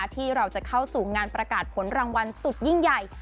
ที่เราจะเข้าสู่งานประกาศผลรางวัลสุดยิ่งใหญ่